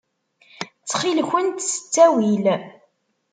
Ttxil-kent s ttawil.